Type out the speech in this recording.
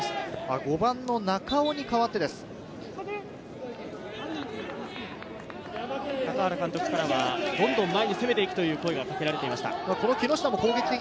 ５番の中尾に代わっ高原監督からはどんどん前に攻めて行けという声がかけられていました。